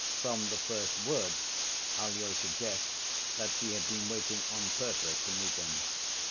From the first word Alyosha guessed that she had been waiting on purpose to meet him.